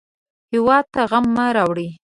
هېواد ته غم مه راوړئ